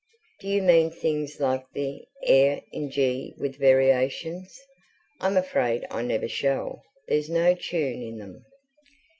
"Do you mean things like the AIR IN G WITH VARIATIONS? I'm afraid I never shall. There's no tune in them."